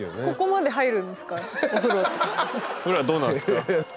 ここまで入るんですか？